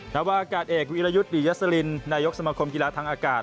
นักว่าอากาศเอกวิรยุตรียัสลินนายกสมคมกีฬาทางอากาศ